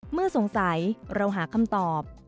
เมื่อสงสัยเราหาคำตอบ